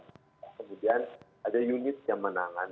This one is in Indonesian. kemudian ada unit yang menangan